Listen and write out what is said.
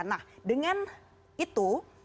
nah dengan itu